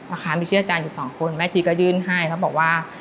อาคารมีชื่ออาจารย์อยู่สองคนแม่ชีก็ยื่นให้เขาบอกว่า